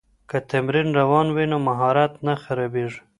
که تمرین روان وي نو مهارت نه خرابېږي.